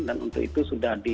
dan untuk itu sudah selesai